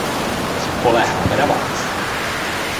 Spoléháme na vás.